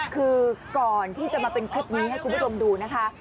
คือก่อนที่จะมาเป็นคลิปนี้ให้คุณผู้ชมดูนะคะ